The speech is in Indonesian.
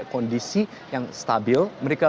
kondisi yang stabil mereka